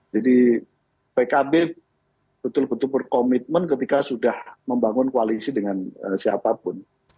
jadi pkb betul betul berkomitmen ketika sudah membangun koalisi dengan siapapun